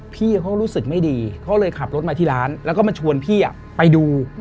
พี่เขารู้สึกไม่ดีเขาเลยขับรถมาที่ร้านแล้วก็มาชวนพี่ไปดู